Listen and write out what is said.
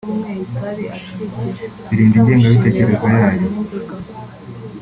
birinda ingengabitekerezo yayo